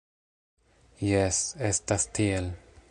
Jes, estas tiel.